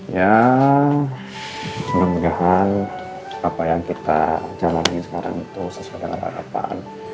ya mudah mudahan apa yang kita jalani sekarang itu sesuai dengan harapan